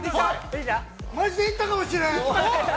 ◆マジ、できたかもしれん。